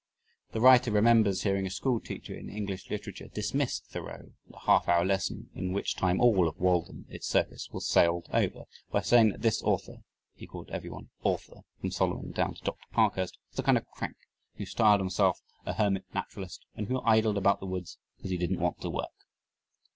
The writer remembers hearing a schoolteacher in English literature dismiss Thoreau (and a half hour lesson, in which time all of Walden, its surface was sailed over) by saying that this author (he called everyone "author" from Solomon down to Dr. Parkhurst) "was a kind of a crank who styled himself a hermit naturalist and who idled about the woods because he didn't want to work."